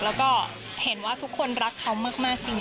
แล้วก็เห็นว่าทุกคนรักเขามากจริง